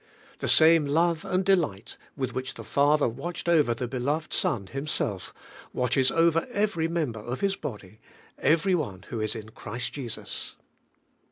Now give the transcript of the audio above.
The same love and delight with which the Father watched over the beloved Son Himself, watches over every member of His body, every one who is in Christ Jesus.